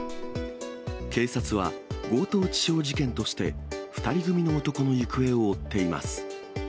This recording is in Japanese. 警察は強盗致傷事件として、２人組の男の行方を追っています。